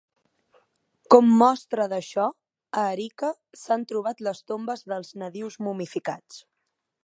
Com mostra d'això, a Arica s'han trobat les tombes dels nadius momificats.